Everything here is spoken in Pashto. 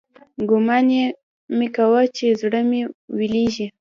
ګومان مې کاوه چې زړه مې ويلېږي.